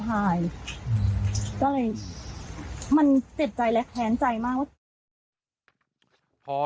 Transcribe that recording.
ก็เลยมันเจ็บใจและแค้นใจมาก